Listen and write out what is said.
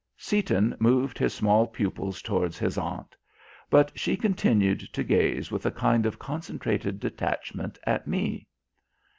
Seaton moved his small pupils towards his aunt. But she continued to gaze with a kind of concentrated detachment at me.